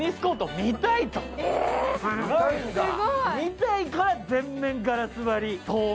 見たいから全面ガラス張り、透明。